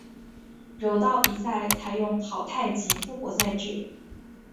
柔道比赛采用淘汰及复活赛制。